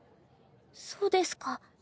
そうですか。